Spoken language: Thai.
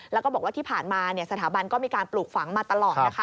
แล้วก็บอกว่าที่ผ่านมาสถาบันก็มีการปลูกฝังมาตลอดนะคะ